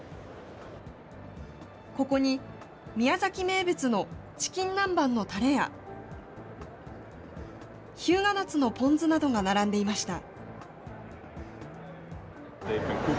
ここに宮崎名物のチキン南蛮のたれや、日向夏のポン酢などが並んでいました。